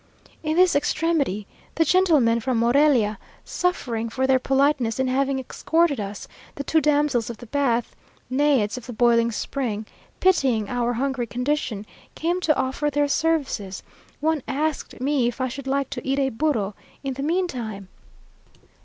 In this extremity, the gentlemen from Morelia, suffering for their politeness in having escorted us, the two damsels of the bath, naiads of the boiling spring, pitying our hungry condition, came to offer their services; one asked me if I should like "to eat a burro in the mean time?"